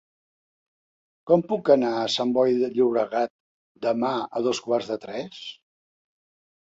Com puc anar a Sant Boi de Llobregat demà a dos quarts de tres?